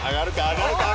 上がるか？